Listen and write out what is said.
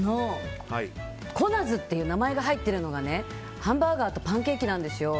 コナズっていう名前が入ってるのがハンバーガーとパンケーキなんですよ。